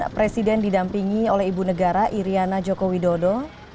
presiden didampingi oleh ibu negara iryana joko widodo